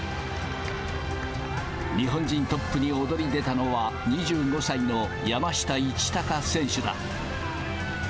日本人トップに躍り出たのは、２５歳の山下一貴選手だ。